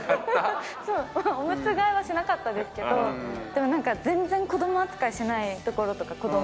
おむつ替えはしなかったですけど全然子供扱いしないところとか子供を。